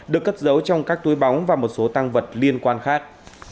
được cất giấu trong các túi bóng và một số tăng vật liên quan khác